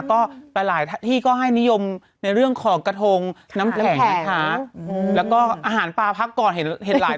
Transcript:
ก็หลายที่ก็ให้นิยมในเรื่องของกระทงน้ำแข็งแล้วก็อาหารปลาพักก่อนเห็นหลาย